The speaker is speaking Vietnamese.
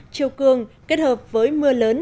chiều cường kết hợp với mưa lớn